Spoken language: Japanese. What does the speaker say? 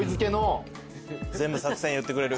全部作戦言ってくれる。